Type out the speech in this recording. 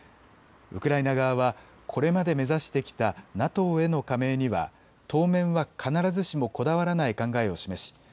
ウクライナ側はこれまで目指してきたＮＡＴＯへの加盟には当面は必ずしもこだわらない考えを示し